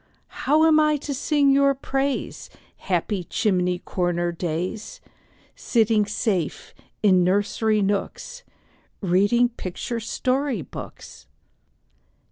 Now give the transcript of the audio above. How am I to sing your praise, Happy chimney corner days, Sitting safe in nursery nooks, Reading picture story books?